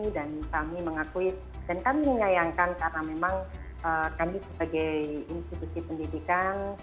dan kami mengakui dan kami menyayangkan karena memang kami sebagai institusi pendidikan